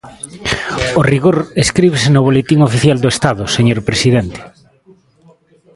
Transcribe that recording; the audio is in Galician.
O rigor escríbese no Boletín Oficial do Estado, señor presidente.